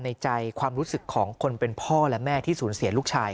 ในใจความรู้สึกของคนเป็นพ่อและแม่ที่สูญเสียลูกชาย